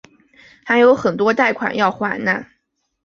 还有很多贷款要还哪